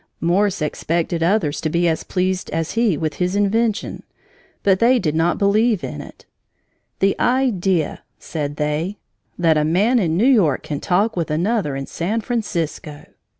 Morse expected others to be as pleased as he with his invention, but they did not even believe in it. "The idea," said they, "that a man in New York can talk with another in San Francisco!"